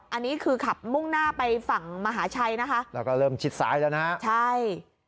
อันนี้คือขับมุ่งหน้าไปฝั่งมหาชัยนะคะแล้วก็เริ่มชิดซ้ายแล้วนะฮะใช่